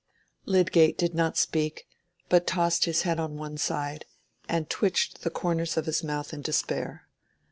Lydgate did not speak, but tossed his head on one side, and twitched the corners of his mouth in despair.